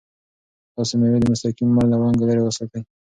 تاسو مېوې د مستقیم لمر له وړانګو لرې وساتئ.